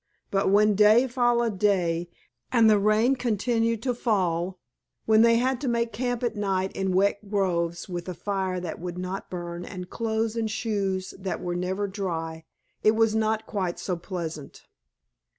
But when day followed day and the rain continued to fall, when they had to make camp at night in wet groves with a fire that would not burn and clothes and shoes that were never dry, it was not quite so pleasant.